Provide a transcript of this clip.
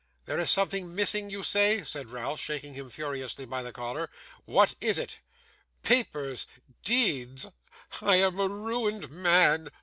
'There is something missing, you say,' said Ralph, shaking him furiously by the collar. 'What is it?' 'Papers, deeds. I am a ruined man.